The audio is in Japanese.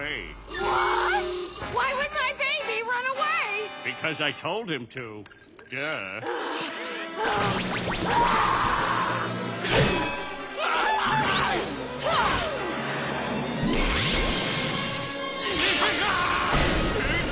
うっ。